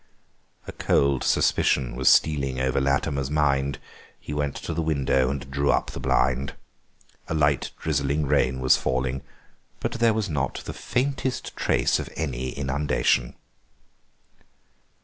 A cold suspicion was stealing over Latimer's mind; he went to the window and drew up the blind. A light, drizzling rain was falling, but there was not the faintest trace of any inundation.